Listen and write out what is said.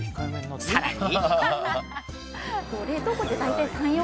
更に。